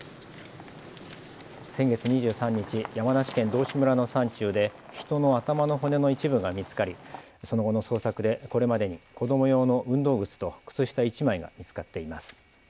先月２３日、山梨県道志村の山中で人の頭の骨の一部が見つかりその後の捜索でこれまでに子ども用の運動靴と靴下１枚が見つかっています。